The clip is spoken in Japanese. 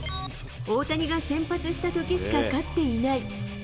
大谷が先発したときしか勝っていない。